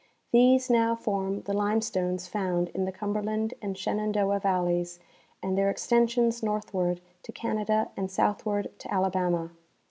These now form the limestones found in the Cumberland and Shenandoah valleys and their extensions northward to Canada and southward to Alabama.